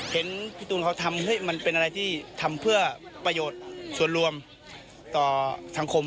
เห็นพี่ตูนเขาทำเฮ้ยมันเป็นอะไรที่ทำเพื่อประโยชน์ส่วนรวมต่อสังคม